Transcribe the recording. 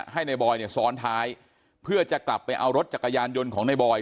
ให้ในบอยเนี่ยซ้อนท้ายเพื่อจะกลับไปเอารถจักรยานยนต์ของในบอย